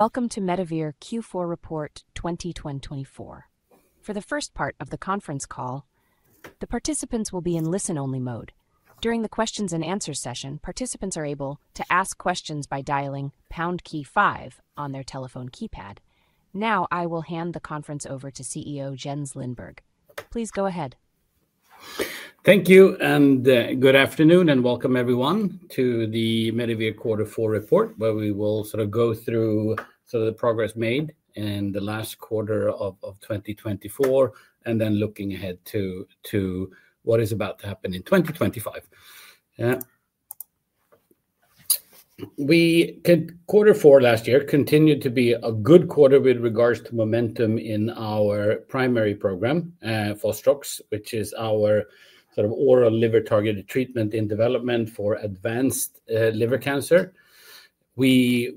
Welcome to Medivir Q4 Report 2024. For the first part of the conference call, the participants will be in listen-only mode. During the Q&A session, participants are able to ask questions by dialing pound key five on their telephone keypad. Now, I will hand the conference over to CEO Jens Lindberg. Please go ahead. Thank you, and good afternoon, and welcome everyone to the Medivir Q4 report, where we will sort of go through the progress made in the last quarter of 2024, and then looking ahead to what is about to happen in 2025. Q4 last year continued to be a good quarter with regards to momentum in our primary program, fostrox, which is our oral liver-targeted treatment in development for advanced liver cancer. We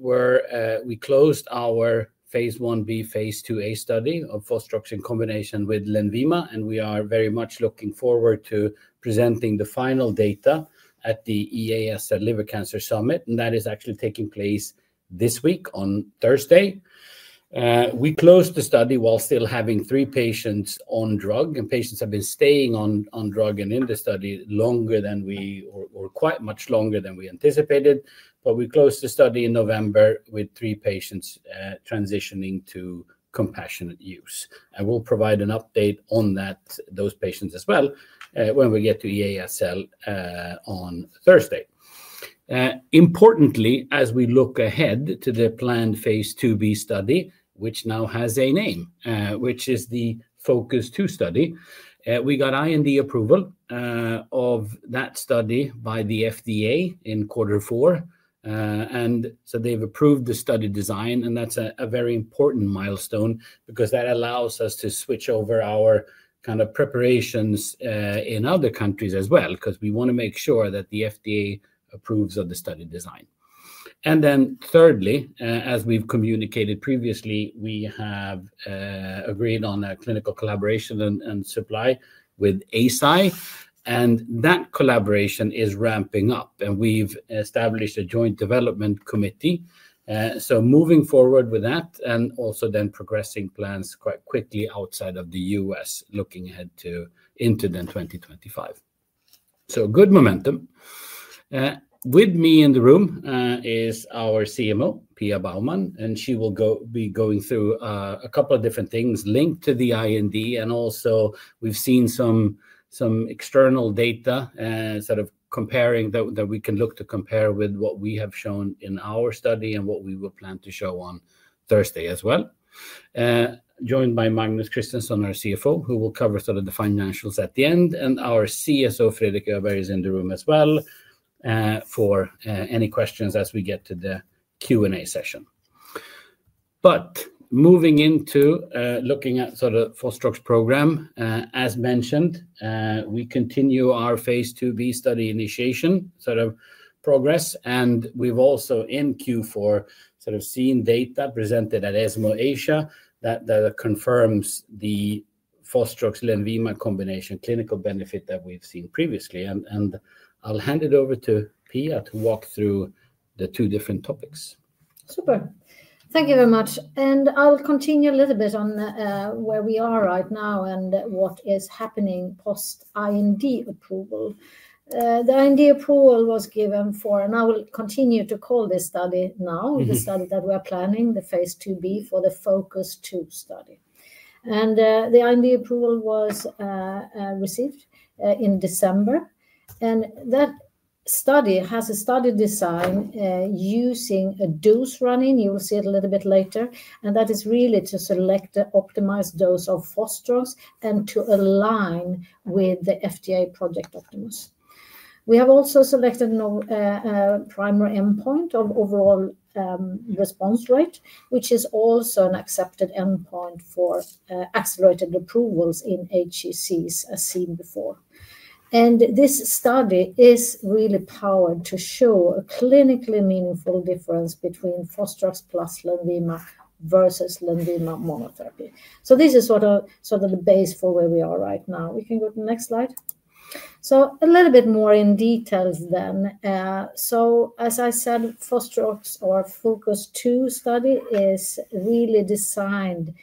closed our phase I-B, phase II-A study of fostrox in combination with Lenvima, and we are very much looking forward to presenting the final data at the EASL Liver Cancer Summit, and that is actually taking place this week on Thursday. We closed the study while still having three patients on drug, and patients have been staying on drug and in the study longer than we—or quite much longer than we anticipated. We closed the study in November with three patients transitioning to compassionate use. I will provide an update on those patients as well when we get to EASL on Thursday. Importantly, as we look ahead to the planned phase II-B study, which now has a name, which is the FOcuS-2 study, we got IND approval of that study by the FDA in Q4. They have approved the study design, and that is a very important milestone because that allows us to switch over our kind of preparations in other countries as well, because we want to make sure that the FDA approves of the study design. Thirdly, as we have communicated previously, we have agreed on clinical collaboration and supply with Eisai, and that collaboration is ramping up, and we have established a joint development committee. Moving forward with that, and also then progressing plans quite quickly outside of the U.S., looking ahead to into then 2025. Good momentum. With me in the room is our CMO, Pia Baumann, and she will be going through a couple of different things linked to the IND, and also we've seen some external data sort of comparing that we can look to compare with what we have shown in our study and what we will plan to show on Thursday as well. Joined by Magnus Christensen, our CFO, who will cover sort of the financials at the end, and our CSO, Fredrik Öberg, is in the room as well for any questions as we get to the Q&A session. Moving into looking at sort of fostrox program, as mentioned, we continue our phase II-B study initiation sort of progress, and we've also in Q4 sort of seen data presented at ESMO Asia that confirms the fostrox-Lenvima combination clinical benefit that we've seen previously. I'll hand it over to Pia to walk through the two different topics. Super. Thank you very much. I'll continue a little bit on where we are right now and what is happening post-IND approval. The IND approval was given for, and I will continue to call this study now, the study that we are planning, the phase II-B for the FOcuS-2 study. The IND approval was received in December, and that study has a study design using a dose running, you will see it a little bit later, and that is really to select the optimized dose of fostrox and to align with the FDA Project Optimus. We have also selected a primary endpoint of overall response rate, which is also an accepted endpoint for accelerated approvals in HCCs as seen before. This study is really powered to show a clinically meaningful difference between fostrox + Lenvima versus Lenvima monotherapy. This is sort of the base for where we are right now. We can go to the next slide. A little bit more in detail then. As I said, fostrox or FOcuS-2 study is really designed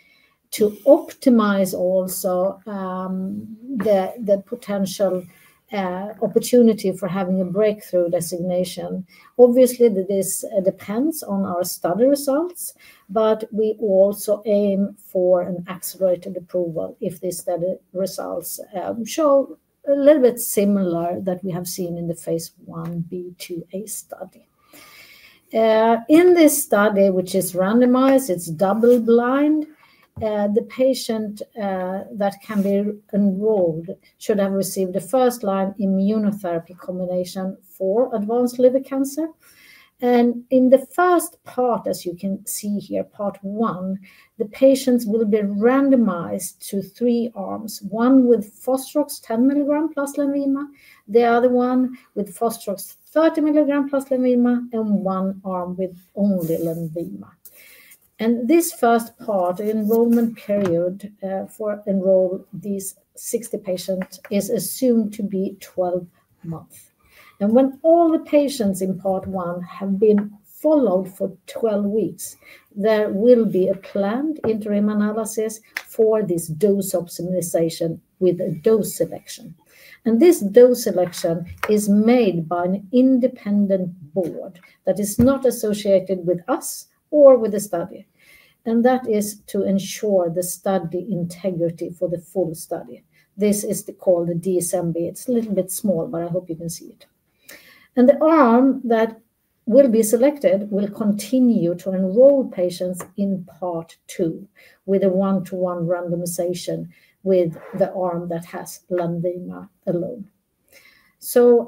to optimize also the potential opportunity for having a breakthrough designation. Obviously, this depends on our study results, but we also aim for an accelerated approval if these study results show a little bit similar to what we have seen in the phase I-B/II-A study. In this study, which is randomized, it's double-blind. The patient that can be enrolled should have received the first line immunotherapy combination for advanced liver cancer. In the first part, as you can see here, part one, the patients will be randomized to three arms, one with fostrox 10 mg + Lenvima, the other one with fostrox 30 mg + Lenvima, and one arm with only Lenvima. This first part, the enrollment period for enrolling these 60 patients, is assumed to be 12 months. When all the patients in part one have been followed for 12 weeks, there will be a planned interim analysis for this dose optimization with a dose selection. This dose selection is made by an independent board that is not associated with us or with the study. That is to ensure the study integrity for the full study. This is called the DSMB. It's a little bit small, but I hope you can see it. The arm that will be selected will continue to enroll patients in part two with a one-to-one randomization with the arm that has Lenvima alone.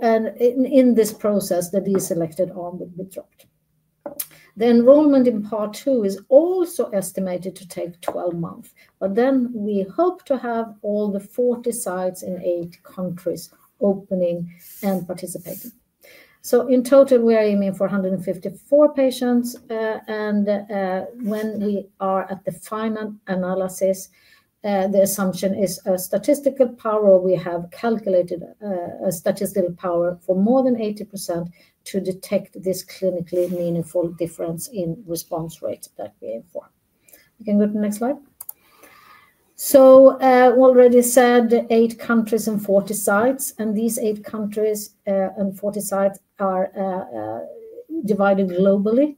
In this process, the DSMB-selected arm will be dropped. The enrollment in part two is also estimated to take 12 months. We hope to have all the 40 sites in eight countries opening and participating. In total, we are aiming for 154 patients, and when we are at the final analysis, the assumption is a statistical power. We have calculated a statistical power for more than 80% to detect this clinically meaningful difference in response rates that we aim for. We can go to the next slide. I already said eight countries and 40 sites, and these eight countries and 40 sites are divided globally,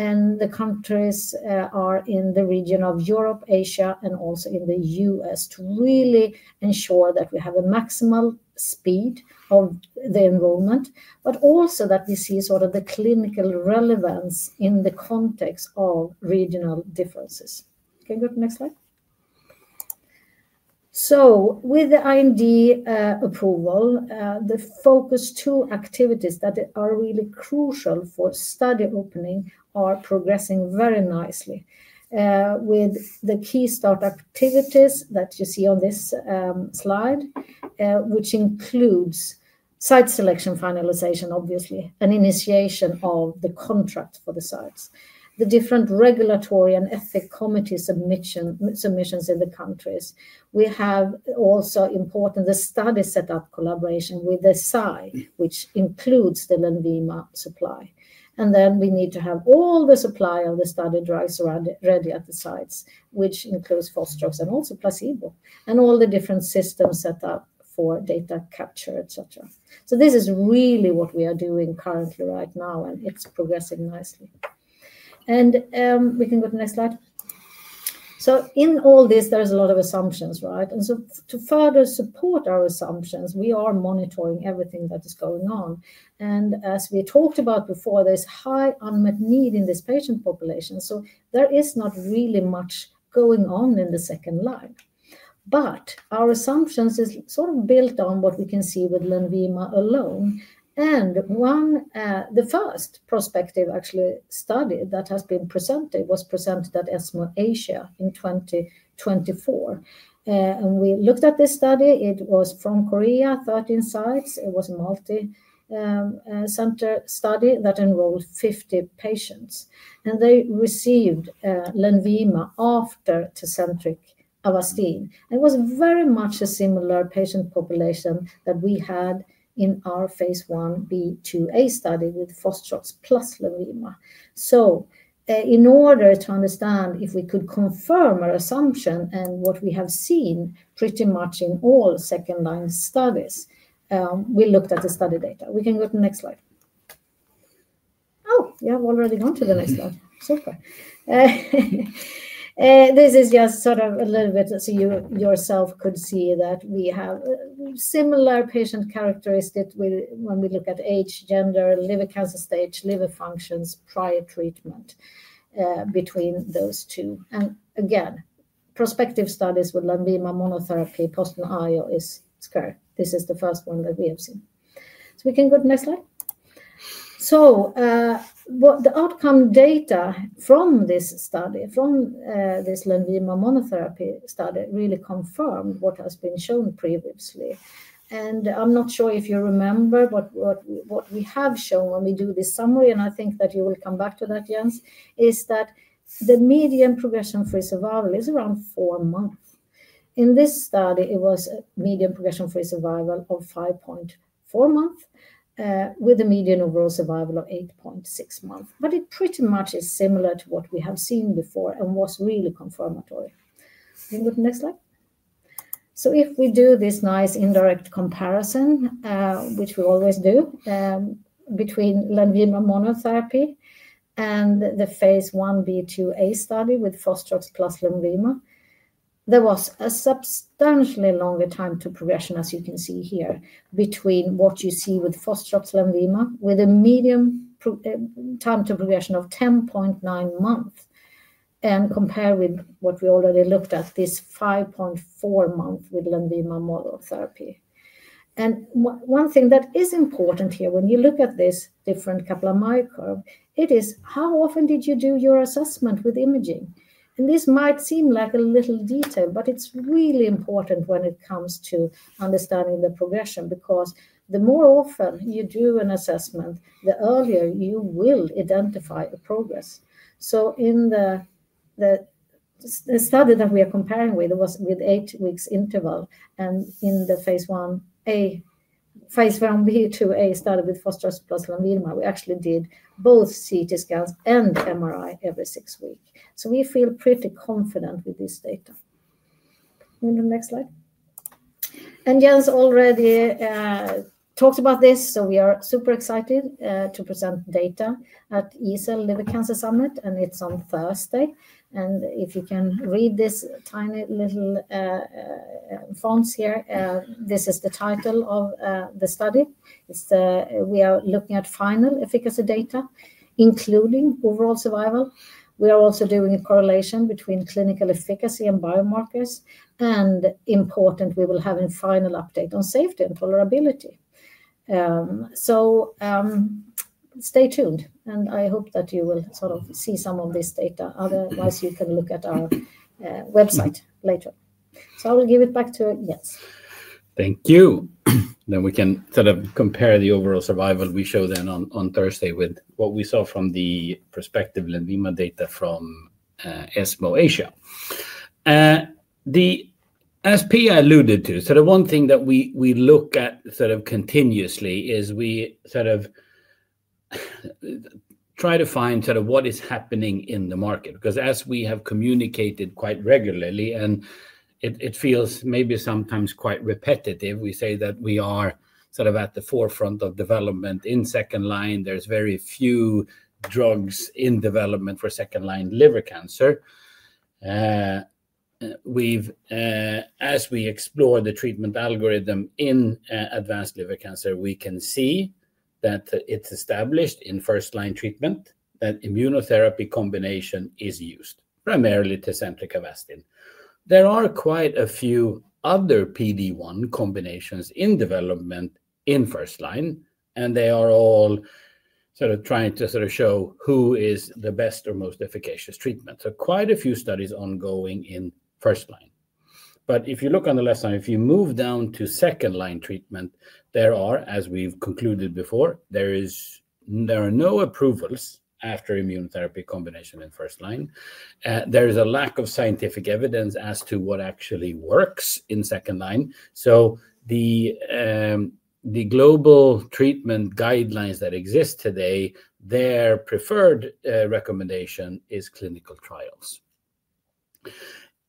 and the countries are in the region of Europe, Asia, and also in the U.S. to really ensure that we have a maximal speed of the enrollment, but also that we see sort of the clinical relevance in the context of regional differences. Can we go to the next slide? With the IND approval, the FOcuS-2 activities that are really crucial for study opening are progressing very nicely with the key start activities that you see on this slide, which includes site selection finalization, obviously, and initiation of the contract for the sites, the different regulatory and ethic committee submissions in the countries. We have also important the study setup collaboration with the site, which includes the Lenvima supply. We need to have all the supply of the study drugs ready at the sites, which includes fostrox and also placebo, and all the different systems set up for data capture, etc. This is really what we are doing currently right now, and it's progressing nicely. We can go to the next slide. In all this, there's a lot of assumptions, right? To further support our assumptions, we are monitoring everything that is going on. As we talked about before, there's high unmet need in this patient population, so there is not really much going on in the second line. Our assumptions are sort of built on what we can see with Lenvima alone. The first prospective actually study that has been presented was presented at ESMO Asia in 2024. We looked at this study. It was from Korea, 13 sites. It was a multicenter study that enrolled 50 patients. They received Lenvima after TECENTRIQ, Avastin. It was very much a similar patient population that we had in our phase I-B, II-A study with fostrox + Lenvima. In order to understand if we could confirm our assumption and what we have seen pretty much in all second-line studies, we looked at the study data. We can go to the next slide. Oh, you have already gone to the next slide. Super. This is just sort of a little bit so you yourself could see that we have similar patient characteristics when we look at age, gender, liver cancer stage, liver functions, prior treatment between those two. Again, prospective studies with Lenvima monotherapy post-IO is scary. This is the first one that we have seen. We can go to the next slide. The outcome data from this study, from this Lenvima monotherapy study, really confirmed what has been shown previously. I am not sure if you remember what we have shown when we do this summary, and I think that you will come back to that, Jens, is that the median progression-free survival is around four months. In this study, it was a median progression-free survival of 5.4 months with a median overall survival of 8.6 months. It pretty much is similar to what we have seen before and was really confirmatory. We can go to the next slide. If we do this nice indirect comparison, which we always do between Lenvima monotherapy and the phase I-B/II-A study with fostrox + Lenvima, there was a substantially longer time to progression, as you can see here, between what you see with fostrox Lenvima with a median time to progression of 10.9 months and compared with what we already looked at, this 5.4 months with Lenvima monotherapy. One thing that is important here, when you look at this different Kaplan-Meier curve, it is how often did you do your assessment with imaging? This might seem like a little detail, but it is really important when it comes to understanding the progression, because the more often you do an assessment, the earlier you will identify a progress. In the study that we are comparing with, it was with eight weeks interval, and in the phase I-B/II-A study with fostrox + Lenvima, we actually did both CT scans and MRI every six weeks. We feel pretty confident with this data. We can go to the next slide. Jens already talked about this, so we are super excited to present data at EASL Liver Cancer Summit, and it is on Thursday. If you can read this tiny little fonts here, this is the title of the study. We are looking at final efficacy data, including overall survival. We are also doing a correlation between clinical efficacy and biomarkers, and importantly, we will have a final update on safety and tolerability. Stay tuned, and I hope that you will sort of see some of this data. Otherwise, you can look at our website later. I will give it back to Jens. Thank you. We can sort of compare the overall survival we showed then on Thursday with what we saw from the prospective Lenvima data from ESMO Asia. As Pia alluded to, one thing that we look at continuously is we try to find what is happening in the market, because as we have communicated quite regularly, and it feels maybe sometimes quite repetitive, we say that we are at the forefront of development in second line. There are very few drugs in development for second-line liver cancer. As we explore the treatment algorithm in advanced liver cancer, we can see that it is established in first-line treatment that immunotherapy combination is used, primarily TECENTRIQ, Avastin. There are quite a few other PD-1 combinations in development in first line, and they are all sort of trying to sort of show who is the best or most efficacious treatment. Quite a few studies are ongoing in first line. If you look on the left side, if you move down to second-line treatment, there are, as we've concluded before, no approvals after immunotherapy combination in first line. There is a lack of scientific evidence as to what actually works in second line. The global treatment guidelines that exist today, their preferred recommendation is clinical trials.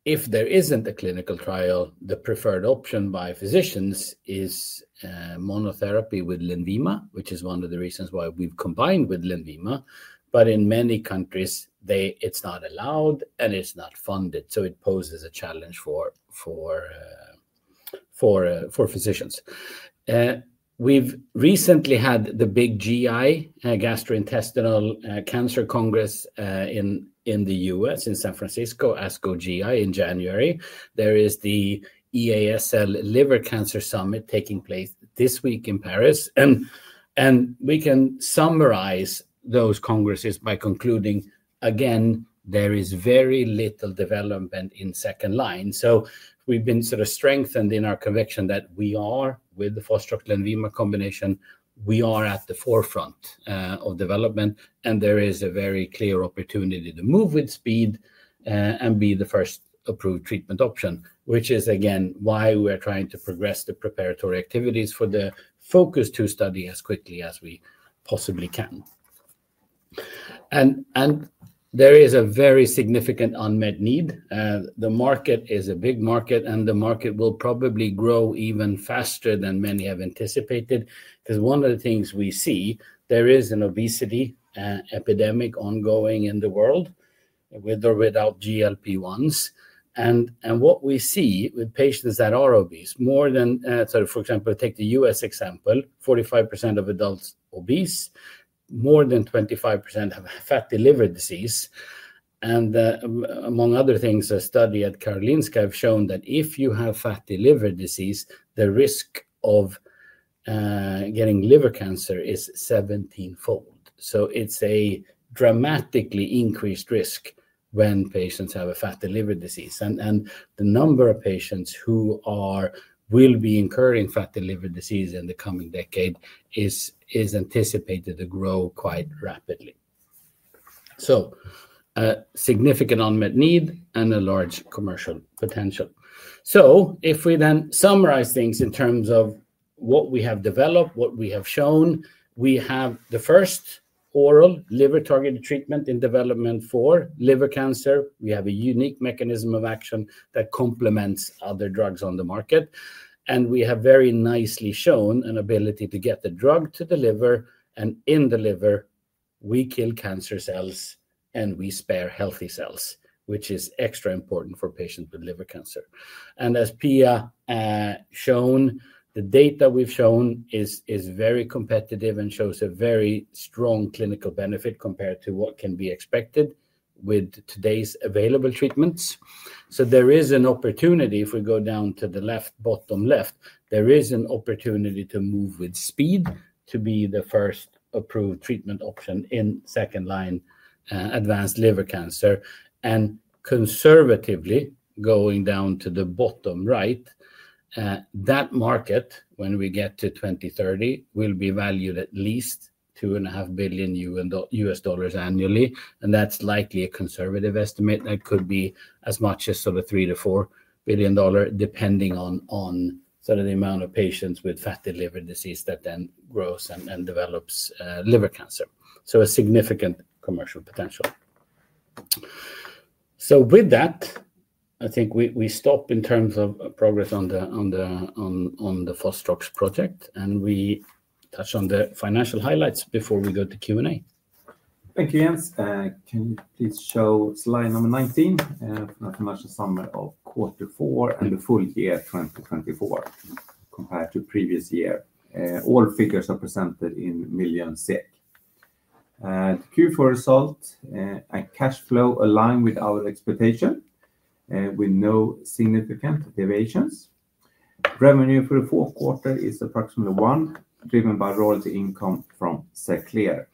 If there isn't a clinical trial, the preferred option by physicians is monotherapy with Lenvima, which is one of the reasons why we've combined with Lenvima. In many countries, it is not allowed and it is not funded, so it poses a challenge for physicians. We've recently had the big GI, Gastrointestinal Cancer Congress in the U.S., in San Francisco, ASCO GI in January. There is the EASL Liver Cancer Summit taking place this week in Paris. We can summarize those congresses by concluding, again, there is very little development in second line. We've been sort of strengthened in our conviction that we are, with the fostrox Lenvima combination, at the forefront of development, and there is a very clear opportunity to move with speed and be the first approved treatment option, which is, again, why we're trying to progress the preparatory activities for the FOcuS-2 study as quickly as we possibly can. There is a very significant unmet need. The market is a big market, and the market will probably grow even faster than many have anticipated, because one of the things we see, there is an obesity epidemic ongoing in the world with or without GLP-1s. What we see with patients that are obese, more than, for example, take the U.S. example, 45% of adults obese, more than 25% have fatty liver disease. Among other things, a study at Karolinska has shown that if you have fatty liver disease, the risk of getting liver cancer is 17-fold. It is a dramatically increased risk when patients have a fatty liver disease. The number of patients who will be incurring fatty liver disease in the coming decade is anticipated to grow quite rapidly. Significant unmet need and a large commercial potential. If we then summarize things in terms of what we have developed, what we have shown, we have the first oral liver-targeted treatment in development for liver cancer. We have a unique mechanism of action that complements other drugs on the market. We have very nicely shown an ability to get the drug to the liver, and in the liver, we kill cancer cells and we spare healthy cells, which is extra important for patients with liver cancer. As Pia shown, the data we've shown is very competitive and shows a very strong clinical benefit compared to what can be expected with today's available treatments. There is an opportunity, if we go down to the left bottom left, there is an opportunity to move with speed to be the first approved treatment option in second-line advanced liver cancer. Conservatively, going down to the bottom right, that market, when we get to 2030, will be valued at least $2.5 billion annually. That's likely a conservative estimate. That could be as much as sort of $3 billion-$4 billion, depending on sort of the amount of patients with fatty liver disease that then grows and develops liver cancer. A significant commercial potential. With that, I think we stop in terms of progress on the fostrox project, and we touch on the financial highlights before we go to Q&A. Thank you, Jens. Can you please show slide number 19 from the financial summary of quarter four and the full year 2024 compared to previous year? All figures are presented in million SEK. Q4 results and cash flow align with our expectation with no significant deviations. Revenue for the fourth quarter is approximately 1 million, driven by royalty income from Xerclear.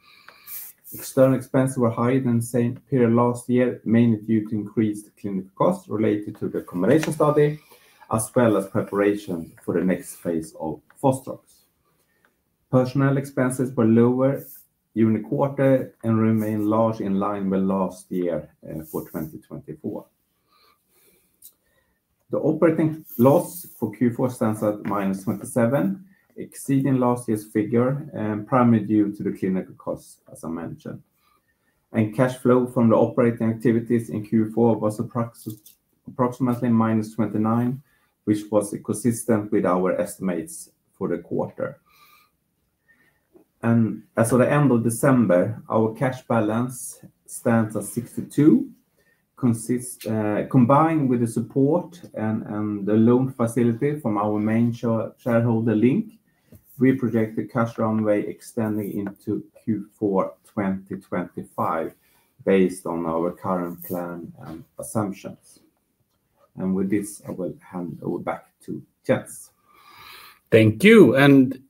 External expenses were higher than the same period last year, mainly due to increased clinical costs related to the combination study, as well as preparation for the next phase of fostrox. Personnel expenses were lower during the quarter and remain largely in line with last year for 2024. The operating loss for Q4 stands at minus 27 million, exceeding last year's figure, primarily due to the clinical costs, as I mentioned. Cash flow from the operating activities in Q4 was approximately minus 29 million, which was consistent with our estimates for the quarter. As of the end of December, our cash balance stands at 62 million, combined with the support and the loan facility from our main shareholder Linc, we project the cash runway extending into Q4 2025 based on our current plan and assumptions. With this, I will hand over back to Jens. Thank you.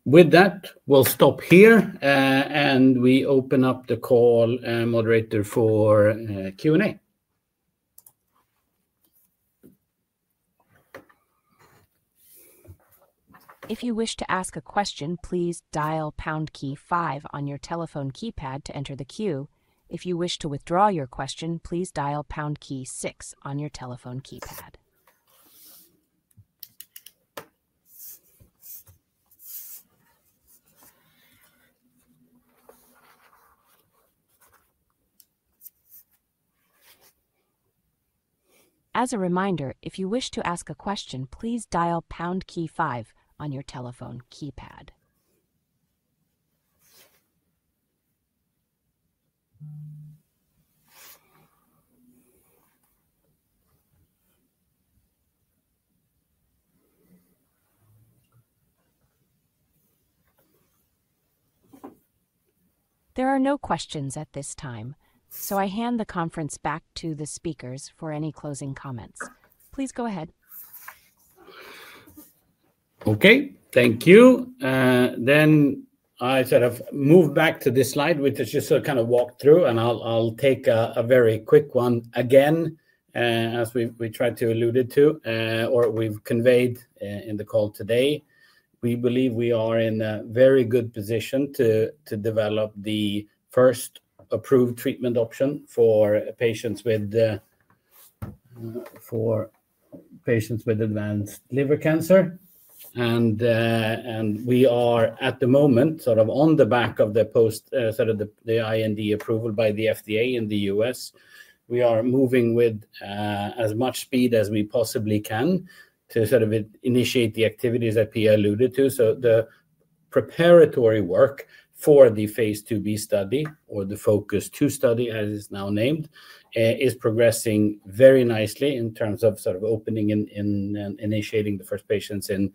With that, we'll stop here, and we open up the call moderator for Q&A. If you wish to ask a question, please dial pound key five on your telephone keypad to enter the queue. If you wish to withdraw your question, please dial pound key six on your telephone keypad. As a reminder, if you wish to ask a question, please dial pound key five on your telephone keypad. There are no questions at this time, so I hand the conference back to the speakers for any closing comments. Please go ahead. Okay, thank you. I sort of move back to this slide, which is just a kind of walkthrough, and I'll take a very quick one again, as we tried to allude to or we've conveyed in the call today. We believe we are in a very good position to develop the first approved treatment option for patients with advanced liver cancer. We are at the moment sort of on the back of the post, sort of the IND approval by the FDA in the U.S. We are moving with as much speed as we possibly can to initiate the activities that Pia alluded to. The preparatory work for the phase II-B study or the FOcuS-2 study, as it's now named, is progressing very nicely in terms of opening and initiating the first patients in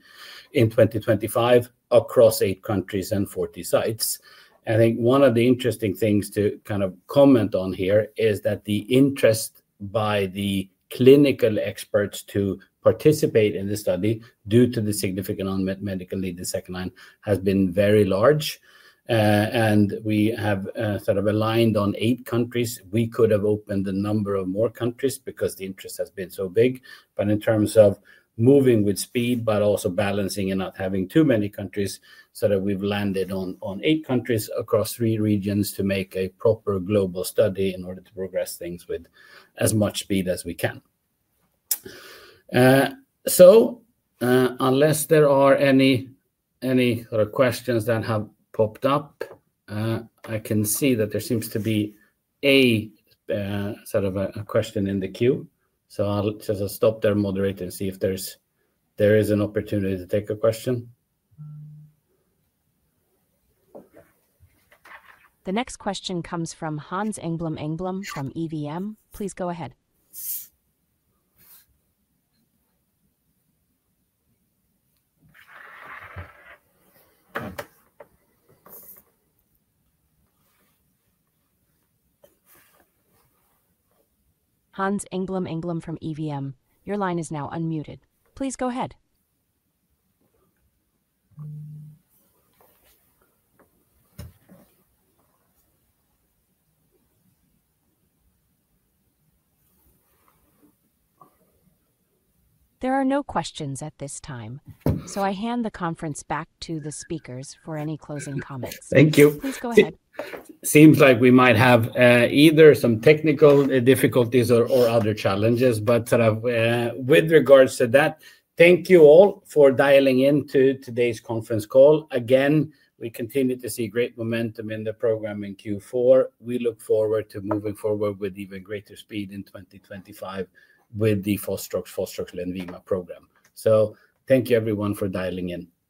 2025 across eight countries and 40 sites. I think one of the interesting things to kind of comment on here is that the interest by the clinical experts to participate in the study due to the significant unmet medical need in second line has been very large. We have sort of aligned on eight countries. We could have opened a number of more countries because the interest has been so big. In terms of moving with speed, but also balancing and not having too many countries, sort of we've landed on eight countries across three regions to make a proper global study in order to progress things with as much speed as we can. Unless there are any sort of questions that have popped up, I can see that there seems to be a sort of a question in the queue. I will just stop there, moderate, and see if there is an opportunity to take a question. The next question comes from Hans Engblom from EVM. Please go ahead. Hans Engblom from EVM. Your line is now unmuted. Please go ahead. There are no questions at this time, so I hand the conference back to the speakers for any closing comments. Thank you. Please go ahead. Seems like we might have either some technical difficulties or other challenges, but sort of with regards to that, thank you all for dialing in to today's conference call. Again, we continue to see great momentum in the program in Q4. We look forward to moving forward with even greater speed in 2025 with the fostrox, fostrox Lenvima program. Thank you, everyone, for dialing in.